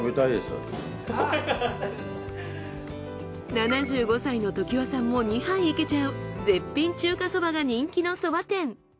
７５歳の常盤さんも２杯いけちゃう絶品中華そばが人気のそば店。